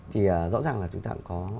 thì rõ ràng là chúng ta có